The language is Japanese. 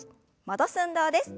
戻す運動です。